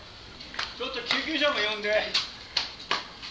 ちょっと救急車も呼んで。